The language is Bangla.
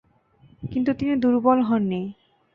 কিন্তু তিনি দুর্বল হন নি।